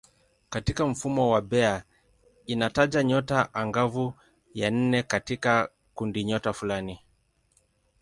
Katika mfumo wa Bayer inataja nyota angavu ya nne katika kundinyota fulani.